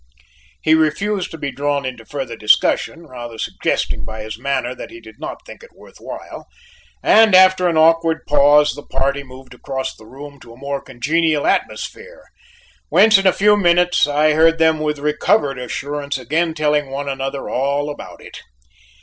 He refused to be drawn into further discussion, rather suggesting by his manner that he did not think it worth while; and after an awkward pause, the party moved across the room to a more congenial atmosphere, whence in a few minutes I heard them with recovered assurance again telling one another all about it.